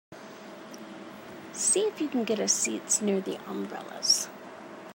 See if you can get us seats near the umbrellas.